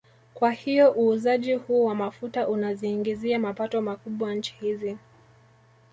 Kwa hiyo uuzaji huu wa mafuta unaziingizia mapato makubwa nchi hizi